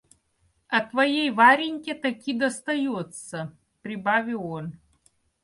А твоей Вареньке таки достается, — прибавил он.